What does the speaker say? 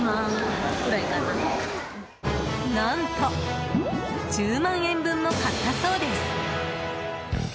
何と１０万円分も買ったそうです。